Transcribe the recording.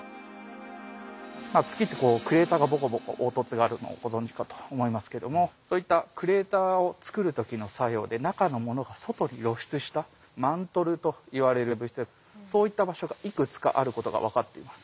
月ってクレーターがボコボコ凹凸があるのをご存じかと思いますけどもそういったクレーターを作る時の作用で中のものが外に露出したマントルといわれる物質でそういった場所がいくつかあることが分かっています。